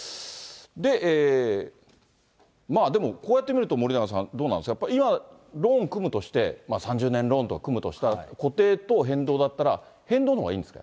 で、でも、こうやって見ると、森永さん、どうなんですか、やっぱり今、ローン組むとして、３０年ローンとか組むとしたら、固定と変動だったら、変動のほうがいいんですか？